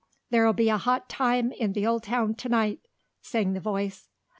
"There'll be a hot time in the old town to night," sang the voice.